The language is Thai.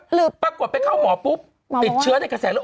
หรือปรากฏไปเข้าหมอปุ๊บติดเชื้อในกระแสเลือด